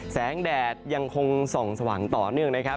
แดดยังคงส่องสว่างต่อเนื่องนะครับ